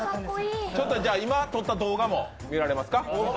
今撮った動画も見られますか？